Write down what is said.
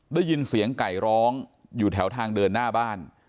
ได้ยินเสียงไก่ร้องอยู่แถวทางเดินหน้าบ้าน